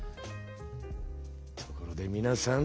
ところでみなさん。